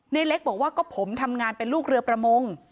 ในเล็กบอกว่าก็ผมทำงานเป็นลูกเรือประมง